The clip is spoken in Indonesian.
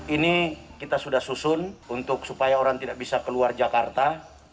ini kita sudah susun supaya orang tidak bisa keluar jakarta